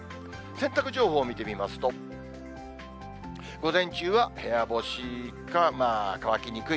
洗濯情報見てみますと、午前中は部屋干しか、乾きにくい。